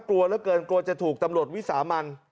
กลัวเหลือเกินกลัวจะถูกตำรวจวิสามัน